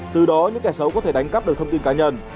từ đó những kẻ xấu có thể đánh cắp được thông tin cá nhân